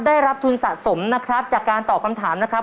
ได้รับทุนสะสมนะครับจากการตอบคำถามนะครับ